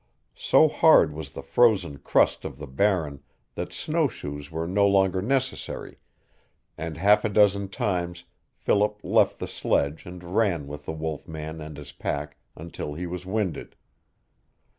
So hard was the frozen crust of the Barren that snowshoes were no longer necessary, and half a dozen times Philip left the sledge and ran with the wolf man and his pack until he was winded.